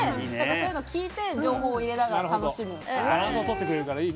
そういうのを聞いて情報を入れながら楽しむみたいな。